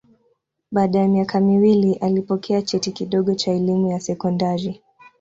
Baada ya miaka miwili alipokea cheti kidogo cha elimu ya sekondari.